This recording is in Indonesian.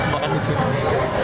makan di sini